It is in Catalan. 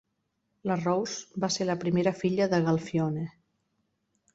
La Rose va ser la primera filla de Galfione.